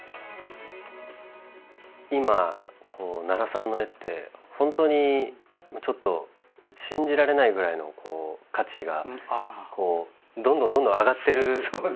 今奈良さんの絵って本当にちょっと信じられないぐらいの価値がどんどんどんどん上がってるじゃないですか。